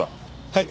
はい。